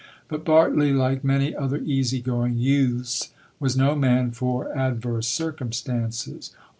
But Bartley, like many other easy going youths, was no man for adverse circumstances.